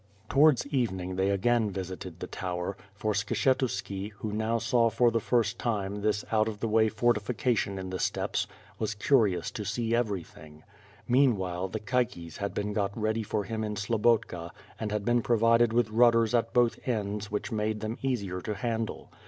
Towards evening they again visited the tower; for Skshetu ski, who now saw for the first time this out of the way fortifi cation in the steppes, was curious to see everything. Mean while, the caiques had been got ready for him in Slobotka and had been provided with rudders at both ends which made them easier to handle.